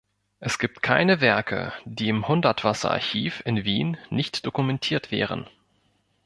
Es gibt keine Werke, die im Hundertwasser Archiv in Wien nicht dokumentiert wären.